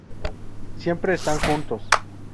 Siempre están juntos.